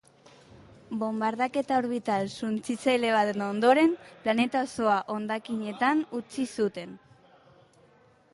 Bonbardaketa orbital suntsitzaile baten ondoren, planeta osoa, hondakinetan utzi zuten.